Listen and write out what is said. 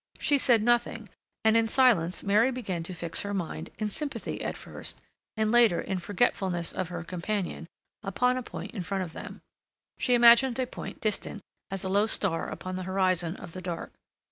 She said nothing, and in silence Mary began to fix her mind, in sympathy at first, and later in forgetfulness of her companion, upon a point in front of them. She imagined a point distant as a low star upon the horizon of the dark.